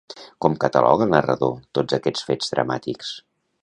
Com cataloga el narrador tots aquests fets dramàtics?